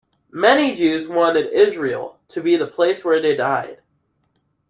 Many Jews wanted Israel to be the place where they died.